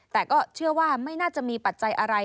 แต่ก็เชื่อว่าไม่น่าจะมีปัจจัยอะไร